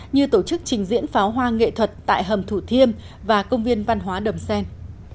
như tổ chức trình diễn pháo hoa nghệ thuật tại hầm thủ thiêm và công viên văn hóa đầm xen